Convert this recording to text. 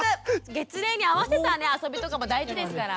月齢に合わせた遊びとかも大事ですから。